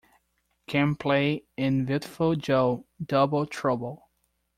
Gameplay in Viewtiful Joe: Double Trouble!